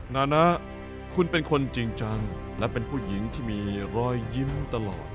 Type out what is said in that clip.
นานะคุณเป็นคนจริงจังและเป็นผู้หญิงที่มีรอยยิ้มตลอด